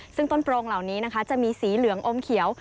ซึ่งต้นโปรงเหล่านี้นะคะจะมีสีเหลืองอมเขียว